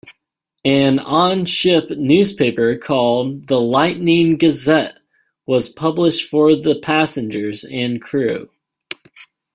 An on-ship newspaper called the "Lightning Gazette" was published for the passengers and crew.